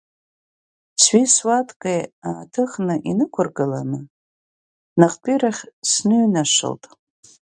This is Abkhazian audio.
Сҩи-суаткеи ааҭыхны инықәыргыланы, наҟтәирахь сныҩнашылт.